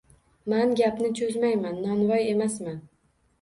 Man gapni cho’zmayman, novvoy emasman